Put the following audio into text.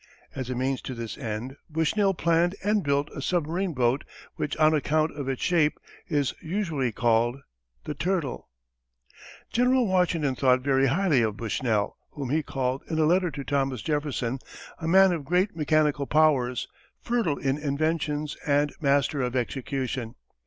As a means to this end, Bushnell planned and built a submarine boat which on account of its shape is usually called the Turtle. General Washington thought very highly of Bushnell, whom he called in a letter to Thomas Jefferson "a man of great mechanical powers, fertile in inventions and master of execution."